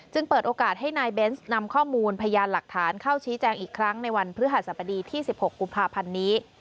เปิดโอกาสให้นายเบนส์นำข้อมูลพยานหลักฐานเข้าชี้แจงอีกครั้งในวันพฤหัสบดีที่๑๖กุมภาพันธ์นี้